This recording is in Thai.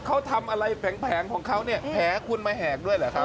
เขาทำอะไรแผงของเขาเนี่ยแผลคุณมาแหกด้วยเหรอครับ